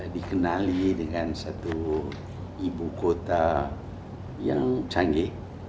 dikenali dengan satu ibu kota yang canggih